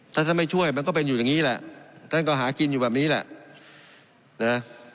ถ้าท่านไม่ช่วยมันก็เป็นอยู่อย่างนี้แหละท่านก็หากินอยู่แบบนี้แหละนะ